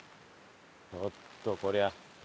ちょっとこりゃ。